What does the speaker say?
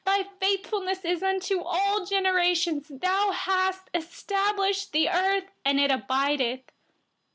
90Your faithfulness is to all generations. You have established the earth, and it remains.